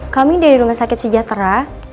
kami dari rumah sakit sejahtera